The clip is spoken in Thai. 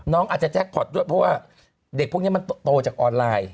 น้องอาจจะแจ็คพอร์ตด้วยเพราะว่าเด็กพวกนี้มันโตจากออนไลน์